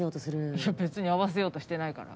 いや別に合わせようとしてないから。